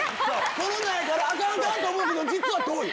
コロナやからアカン！と思うけど実は遠い。